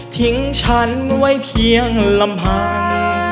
ทิ้งฉันไว้เพียงลำพัง